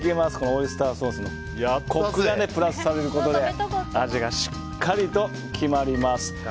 オイスターソースのコクがプラスされることで味がしっかりと決まります。